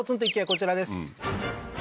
こちらです